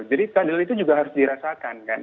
jadi keadilan itu juga harus dirasakan kan